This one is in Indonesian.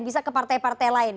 bisa ke partai partai lain